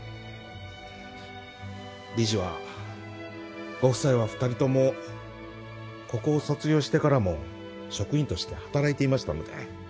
理事はご夫妻は２人ともここを卒業してからも職員として働いていましたので。